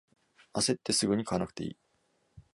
あせってすぐに買わなくていい